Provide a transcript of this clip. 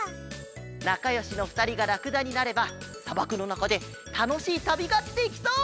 なかよしのふたりがラクダになればさばくのなかでたのしいたびができそう！